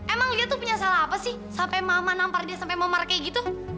emang dia tuh punya salah apa sih sampai mama nampar dia sampai memar kayak gitu